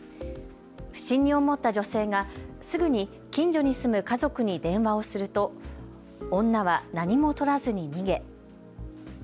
不審に思った女性がすぐに近所に住む家族に電話をすると女は何もとらずに逃げ。